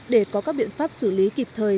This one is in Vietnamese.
để có các biện pháp xử lý kịp thời